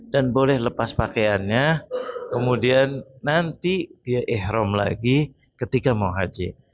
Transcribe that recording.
dan boleh lepas pakaiannya kemudian nanti dia ikhram lagi ketika mau haji